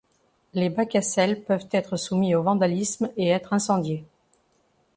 Les bacs à sel peuvent être soumis au vandalisme et être incendiés.